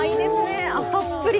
たっぷり。